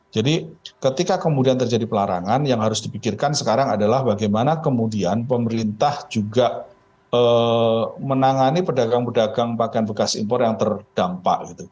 jadi ketika kemudian terjadi pelarangan yang harus dipikirkan sekarang adalah bagaimana kemudian pemerintah juga menangani berdagang berdagang pakaian bekas impor yang terdampak